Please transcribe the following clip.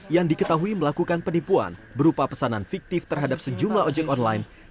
yang diketahui melakukan penipuan berupa pesanan fiktif terhadap sejumlah ojek online